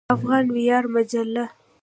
افغان ویاړ مجله